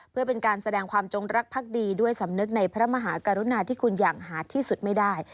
เพื่อเป็นการแสดงความจงรักภักดีด้วยสำนึกในพระมหากรุณาที่คุณอย่างหาที่สุดไม่ได้